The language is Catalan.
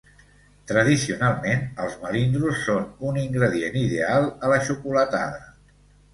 Tradicionalment els melindros són un ingredient ideal a la xocolatada.